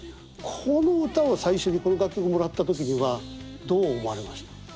この歌を最初にこの楽曲もらった時にはどう思われました？